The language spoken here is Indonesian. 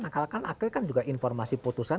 akal akal akil kan juga informasi putusan